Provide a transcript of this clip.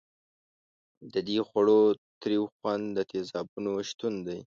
د دې خوړو تریو خوند د تیزابونو شتون دی.